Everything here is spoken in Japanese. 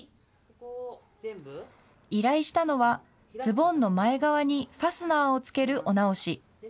依頼したのは、ズボンの前側にファスナーを付けるお直し。